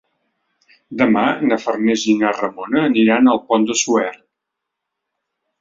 Demà na Farners i na Ramona aniran al Pont de Suert.